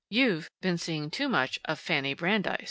"You've been seeing too much of Fanny Brandeis."